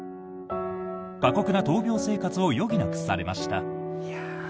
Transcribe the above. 過酷な闘病生活を余儀なくされました。